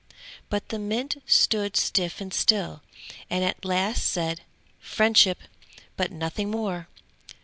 But the mint stood stiff and still, and at last said: "Friendship but nothing more!